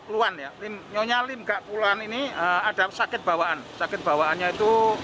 luar ya lim nyonya lim gak pulang ini ada sakit bawaan sakit bawaannya itu